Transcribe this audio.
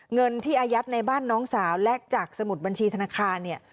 เงินที่อายัดในบ้านน้องสาวแลกจากสมุดบัญชีธนาคารเนี่ย